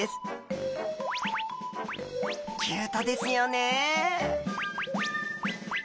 キュートですよね！